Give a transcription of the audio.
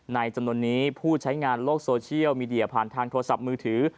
จำนวนนี้ผู้ใช้งานโลกโซเชียลมีเดียผ่านทางโทรศัพท์มือถือ